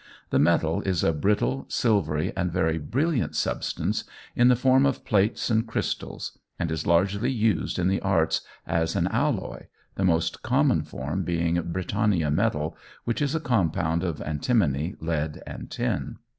The metal is a brittle, silvery and very brilliant substance, in the form of plates and crystals, and is largely used in the arts as an alloy, the most common form being Britannia metal, which is a compound of antimony, lead, and tin.